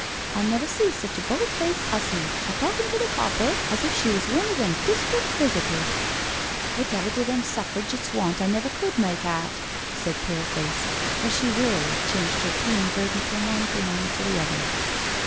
" I never see such a bold face' 'ussie — a talkin' to the copper as if she was one o' them districk visitors." " Wotever do them Suffrigitts want I never could make awtl" said Pale face, as she wearily changed her puny burden from one thin arm to the other.